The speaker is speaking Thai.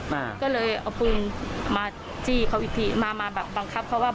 มันก็บอกหยิบเงินมาหยิบเงินมา